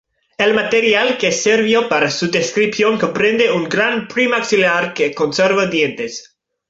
El material que sirvió para su descripción comprende un gran premaxilar que conservó dientes.